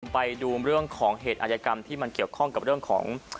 ไปดูเรื่องของเหตุอายกรรมที่มันเกี่ยวข้องกับเรื่องของ